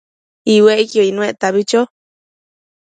iuecquio icnuectabi cho